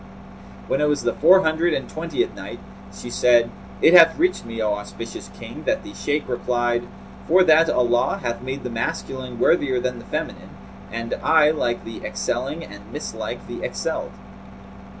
When it was the Four Hundred and Twentieth Night, She said, It hath reached me, O auspicious King, that the Shaykh replied, " 'For that Allah hath made the masculine worthier than the feminine; and I like the excelling and mislike the excelled.'